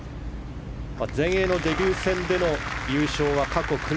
全英のデビュー戦でも優勝は過去９人。